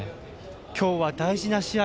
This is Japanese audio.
今日は大事な試合。